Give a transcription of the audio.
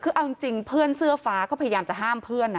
คือเอาจริงเพื่อนเสื้อฟ้าก็พยายามจะห้ามเพื่อน